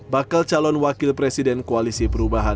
bakal calon wakil presiden koalisi perubahan